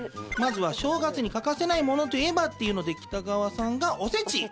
正月に欠かせないものといえばっていうので北川さんがおせち。